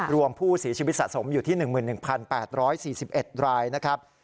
รวมผู้เสียชีวิตสะสมอยู่ที่หนึ่งหมื่นหนึ่งพันแปดร้อยสี่สิบเอ็ดรายนะครับ